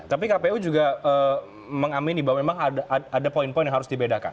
tapi kpu juga mengamini bahwa memang ada poin poin yang harus dibedakan